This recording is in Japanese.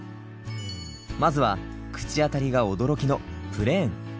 まずは口当たりが驚きのプレーン。